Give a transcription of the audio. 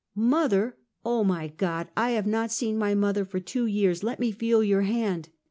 " Mother; oh my God! I have not seen my mother for two years. Let me feel your hand?